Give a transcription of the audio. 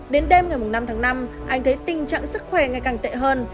đến đêm ngày năm tháng năm anh thấy tình trạng sức khỏe ngày càng tệ hơn